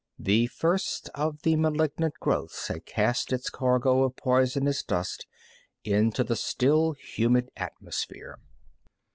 The first of the malignant growths had cast its cargo of poisonous dust into the still humid atmosphere.